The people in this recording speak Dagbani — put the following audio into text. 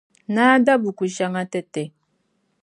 Naa da buku shɛŋa n-ti ti.